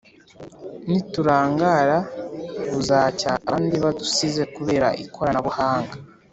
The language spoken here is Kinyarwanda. niturangara buzacya abandi badusize kubera ikoranabuhanga